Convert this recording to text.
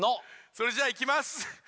それじゃいきます！